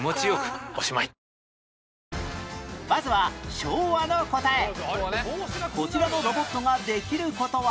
まずはこちらのロボットができる事は